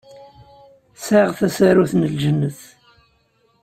Sɛiɣ tasarut n Ljennet.